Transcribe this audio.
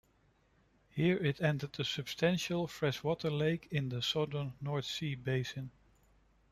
Here it entered a substantial freshwater lake in the southern North Sea basin.